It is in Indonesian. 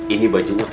ini bajunya tuh